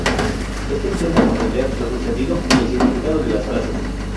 Éste intenta comprender lo sucedido y el significado de las frases.